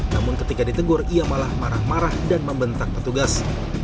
namun ketika ditegur ia malah marah marah dan membentak petugas